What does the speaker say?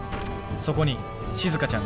そこにしずかちゃんが。